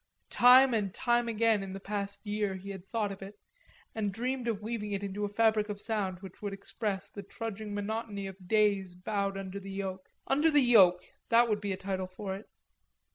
Time and time again in the past year he had thought of it, and dreamed of weaving it into a fabric of sound which would express the trudging monotony of days bowed under the yoke. "Under the Yoke"; that would be a title for it.